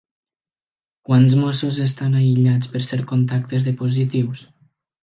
Quants mossos estan aïllats per ser contactes de positius?